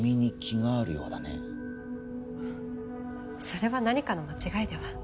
それは何かの間違いでは？